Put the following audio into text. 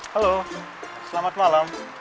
halo selamat malam